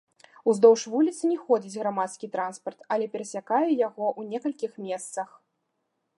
Уздоўж вуліцы не ходзіць грамадскі транспарт, але перасякае яго ў некалькіх месцах.